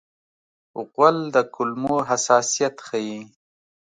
غول د کولمو حساسیت ښيي.